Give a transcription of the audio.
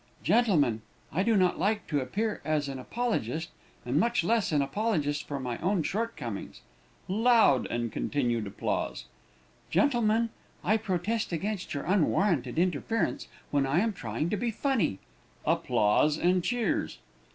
Gentlemen, I do not like to appear as an apologist, and much less an apologist for my own shortcomings (loud and continued applause). Gentlemen, I protest against your unwarranted interference when I am trying to be funny (applause and cheers).